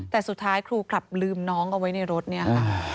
แต่สุดท้ายครูกลับลืมน้องเอาไว้ในรถเนี่ยค่ะ